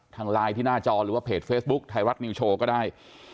ทางไลน์ที่หน้าจอหรือว่าเพจเฟซบุ๊คไทยรัฐนิวโชว์ก็ได้